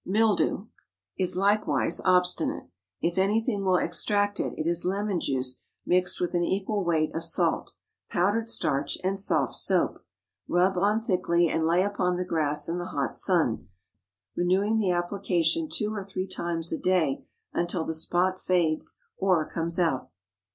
MILDEW Is likewise obstinate. If anything will extract it, it is lemon juice mixed with an equal weight of salt, powdered starch, and soft soap. Rub on thickly and lay upon the grass in the hot sun; renewing the application two or three times a day until the spot fades or comes out.